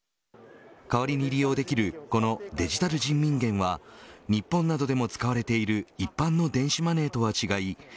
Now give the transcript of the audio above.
代わりに利用できるこのデジタル人民元は日本などでも使われている一般の電子マネーとは違い